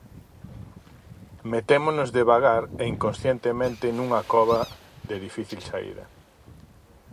Metémonos devagar e inconscientemente nunha cova de difícil saída.